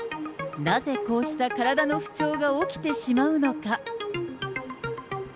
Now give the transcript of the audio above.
なぜ、こうした体の不調が起きてしまうのか。